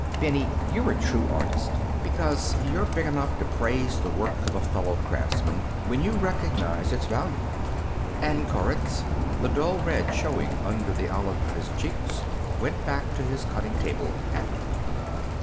"Bennie, you're a true artist because you're big enough to praise the work of a fellow craftsman when you recognize its value." And Koritz, the dull red showing under the olive of his cheeks, went back to his cutting table happy.